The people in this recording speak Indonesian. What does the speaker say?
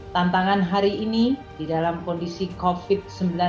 tantangan hari ini di dalam kondisi covid sembilan belas